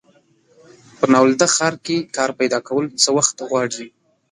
په ناولده ښار کې کار پیداکول څه وخت غواړي.